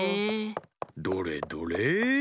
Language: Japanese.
どれどれ？